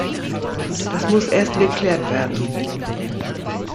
Das muss erst geklärt werden.